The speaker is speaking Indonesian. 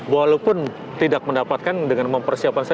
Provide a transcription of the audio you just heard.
walaupun tidak mendapatkan dengan mempersiapkan saja